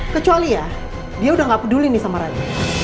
kecuali ya dia udah gak peduli nih sama raja